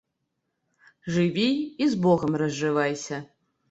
Жыві і з Богам разжывайся